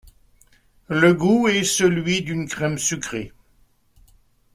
Le goût est celui d'une crème sucrée.